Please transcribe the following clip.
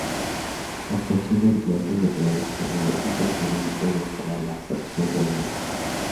La absorción de otros materiales podría interferir o enmascarar la absorción de la muestra.